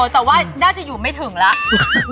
แต่ว่าน่าจะอยู่ไม่ถึงแล้ว